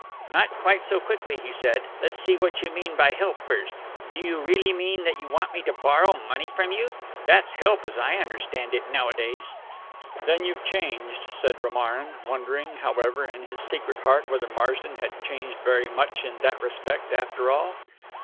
"Not quite so quickly," he said. "Let's see what you mean by help first. Do you really mean that you want me to borrow money from you? That's help as I understand it nowadays." "Then you've changed," said Romarin wondering, however, in his secret heart whether Marsden had changed very much in that respect after all.